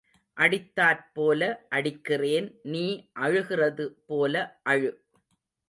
அடித்தாற் போல அடிக்கிறேன் நீ அழுகிறது போல அழு.